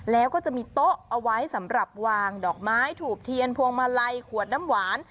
แล้วก็จะมีโต๊ะเอาไว้สำหรับวางดอกไม้ถูกเทียนพวงมาลัยขวดน้ำหวาน